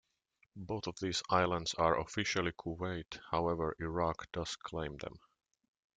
Both of these islands are officially Kuwait, however Iraq does claim them.